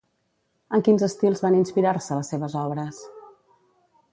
En quins estils van inspirar-se les seves obres?